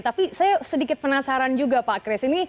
tapi saya sedikit penasaran juga pak chris